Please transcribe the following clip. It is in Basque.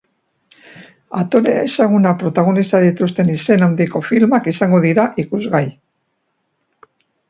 Aktore ezagunak protagonista dituzten izen handiko filmak izango dira ikusgai.